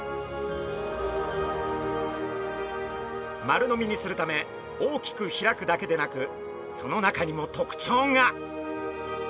まる飲みにするため大きく開くだけでなくその中にもとくちょうが。